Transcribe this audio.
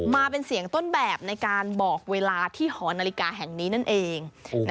มาเป็นเสียงต้นแบบในการบอกเวลาที่หอนาฬิกาแห่งนี้นั่นเอง